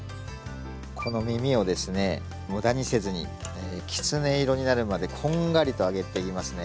このみみをですねむだにせずにきつね色になるまでこんがりと揚げてきますね。